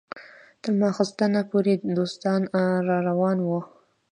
تر ماخستنه پورې دوستان راروان وو.